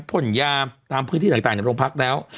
พ่นยาตามพื้นที่ต่างในโรงพักแล้ว